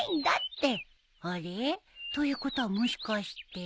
あれ？ということはもしかして。